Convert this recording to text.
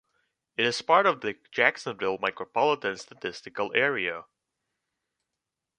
It is part of the Jacksonville Micropolitan Statistical Area.